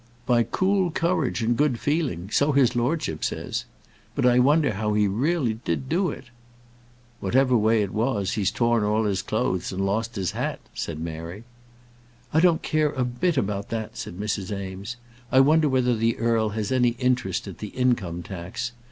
"By cool courage and good feeling so his lordship says. But I wonder how he really did do it?" "Whatever way it was, he's torn all his clothes and lost his hat," said Mary. "I don't care a bit about that," said Mrs. Eames. "I wonder whether the earl has any interest at the Income tax.